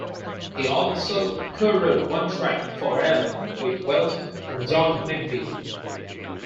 He also co-wrote one track, "Forever", with Welch and John McVie.